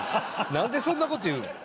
なんでそんな事言うの？」